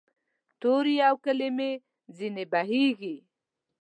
تورې او کلمې ځیني وبهیږې